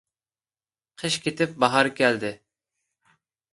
قىش كېتىپ باھار كەلدى.